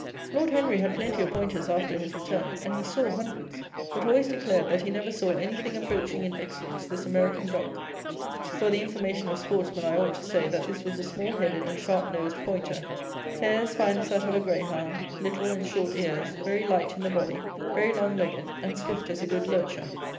Lord Henry had plenty of pointers after his return, and he saw hundreds; but always declared, that he never saw any thing approaching in excellence this American dog. For the information of sportsmen I ought to say, that this was a small headed and sharp nosed pointer, hair as fine as that of a greyhound, little and short ears, very light in the body, very long legged, and swift as a good lurcher.